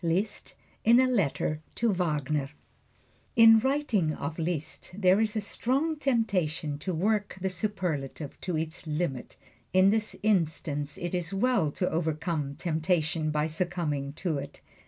Liszt in a Letter to Wagner FRANZ LISZT In writing of Liszt there is a strong temptation to work the superlative to its limit. In this instance it is well to overcome temptation by succumbing to it.